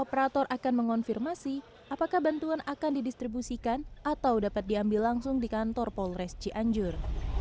operator akan mengonfirmasi apakah bantuan akan didistribusikan atau dapat diambil langsung di kantor polres cianjur